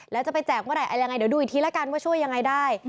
แล้วจะไปแจกเมื่อไหร่อะไรยังไงเดี๋ยวดูอีกทีแล้วกันว่าช่วยยังไงได้